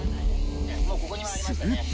［すると］